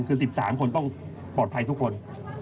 คือ๑๓คนต้องปลอดภัยทุกคน